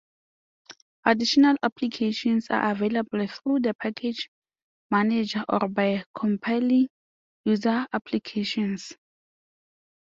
Additional applications are available through the package manager or by compiling user applications.